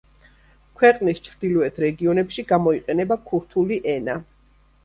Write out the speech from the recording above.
ქვეყნის ჩრდილოეთ რეგიონებში გამოიყენება ქურთული ენა.